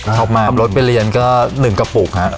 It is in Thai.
ชอบมากรถไปเรียนก็หนึ่งกระปุกค่ะ